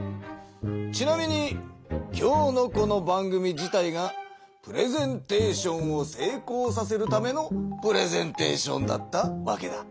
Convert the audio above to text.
ちなみに今日のこの番組自体がプレゼンテーションをせいこうさせるためのプレゼンテーションだったわけだ。